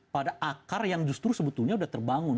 pada akar yang justru sebetulnya sudah terbangun